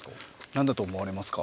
何だと思われますか？